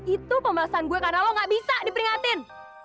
itu pembahasan gue karena lo gak bisa diperingatin